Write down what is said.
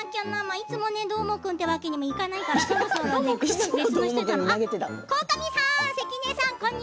いつもどーもくんというわけにはいかないから、別の人に。